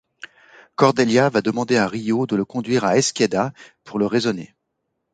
Cordelia va demander à Rio de le conduire à Esqueda pour le raisonner.